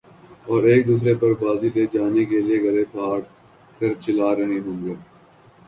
اور ایک دوسرے پر بازی لے جانے کیلئے گلے پھاڑ کر چلا رہے ہوں گے